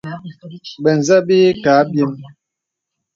Bə̀zə̄ bə̀ ǐ kə̀ abyēm.